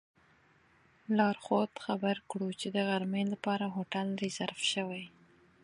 لارښود خبر کړو چې د غرمې لپاره هوټل ریزرف شوی.